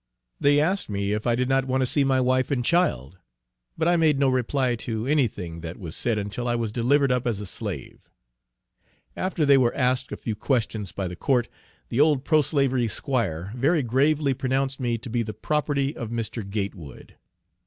They asked me if I did not want to see my wife and child; but I made no reply to any thing that was said until I was delivered up as a slave. After they were asked a few questions by the court, the old pro slavery squire very gravely pronounced me to be the property of Mr. Gatewood.